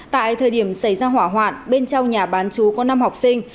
tại thời điểm xảy ra hỏa hoạn bên trong nhà bán chú có năm học sinh